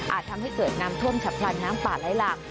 ทำให้เกิดน้ำท่วมฉับพลันน้ำป่าไหลหลาก